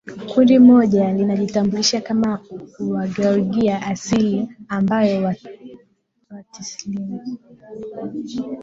Kundi moja linajitambulisha kama Wageorgia asilia ambao walisilimu